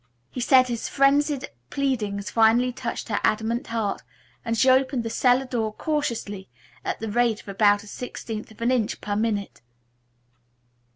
He says his frenzied pleadings finally touched her adamant heart, and she opened the cellar door very cautiously at the rate of about a sixteenth of an inch per minute."